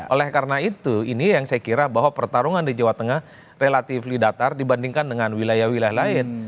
oleh karena itu ini yang saya kira bahwa pertarungan di jawa tengah relatif datar dibandingkan dengan wilayah wilayah lain